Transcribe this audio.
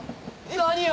何？